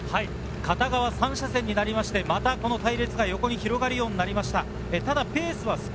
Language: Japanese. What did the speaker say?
片側３車線になりまして、また隊列が横に広がるようになりました。